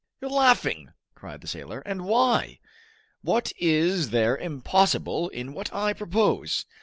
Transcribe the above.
"You are laughing," cried the sailor, "and why? What is there impossible in what I propose?